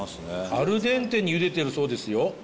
アルデンテにゆでてるそうですよ